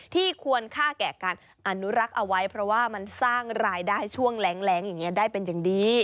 ควรค่าแก่การอนุรักษ์เอาไว้เพราะว่ามันสร้างรายได้ช่วงแรงอย่างนี้ได้เป็นอย่างดี